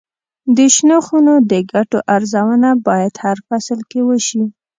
د شنو خونو د ګټو ارزونه باید هر فصل کې وشي.